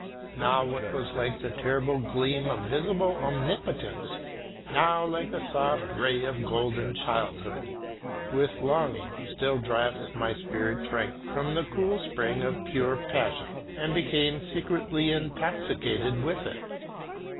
Now it was like the terrible gleam of visible omnipotence, now like a soft ray of golden childhood. With long, still drafts my spirit drank from the cool spring of pure passion and became secretly intoxicated with it.